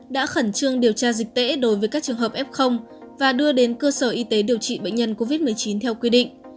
đã khẩn trương điều tra dịch tễ đối với các trường hợp f và đưa đến cơ sở y tế điều trị bệnh nhân covid một mươi chín theo quy định